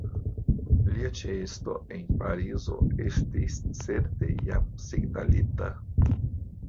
Lia ĉeesto en Parizo estis certe jam signalita.